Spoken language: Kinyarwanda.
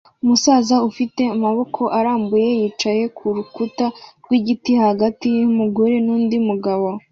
Umusaza ufite amaboko arambuye yicaye ku rukuta rw'igiti hagati y'umugore n'undi mugabo